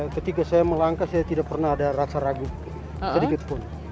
ketika saya melangkah saya tidak pernah ada rasa ragu sedikit pun